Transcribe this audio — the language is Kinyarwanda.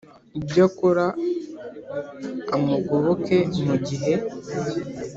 ibyo akora amugoboke mu gihe